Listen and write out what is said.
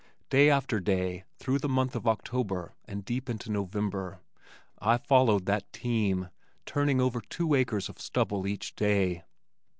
Day after day, through the month of October and deep into November, I followed that team, turning over two acres of stubble each day.